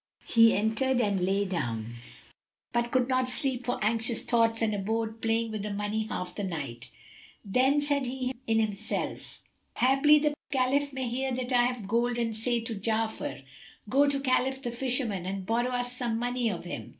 He entered and lay down, but could not sleep for anxious thoughts and abode playing with the money half the night. Then said he in himself, "Haply the Caliph may hear that I have gold and say to Ja'afar, 'Go to Khalif the Fisherman and borrow us some money of him.'